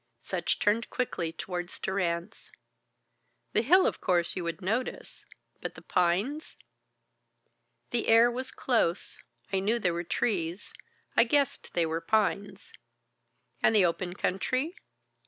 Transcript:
Sutch turned quickly towards Durrance. "The hill, of course, you would notice. But the pines?" "The air was close. I knew there were trees. I guessed they were pines." "And the open country?"